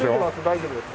大丈夫です。